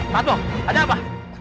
patmo ada apa